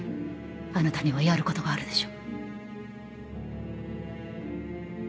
あなたにはやることがあるでしょ。